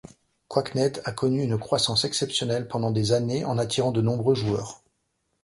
QuakeNet a connu une croissance exceptionnelle pendant des années en attirant de nombreux joueurs.